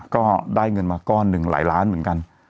ก็ได้เงินมาก้อนหนึ่งหลายล้านเหมือนกัน